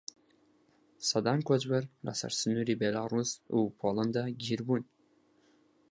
سەدان کۆچبەر لەسەر سنووری بیلاڕووس و پۆلەندا گیر بوون.